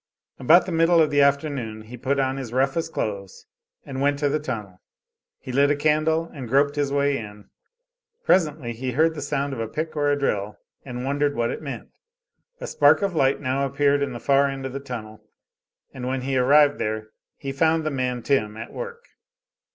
About the middle of the afternoon he put on his roughest clothes and went to the tunnel. He lit a candle and groped his way in. Presently he heard the sound of a pick or a drill, and wondered, what it meant. A spark of light now appeared in the far end of the tunnel, and when he arrived there he found the man Tim at work.